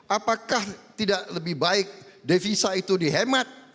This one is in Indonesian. apakah tidak lebih baik devisa itu dihemat